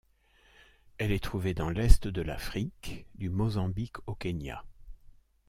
Elle est trouvée dans l'Est de l'Afrique, du Mozambique au Kenya.